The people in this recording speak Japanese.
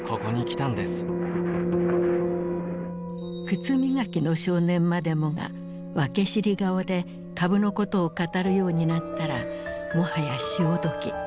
靴磨きの少年までもが訳知り顔で株のことを語るようになったらもはや潮時。